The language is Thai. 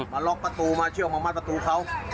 มาล็อกประตูมาเชือกมามัดประตูเขา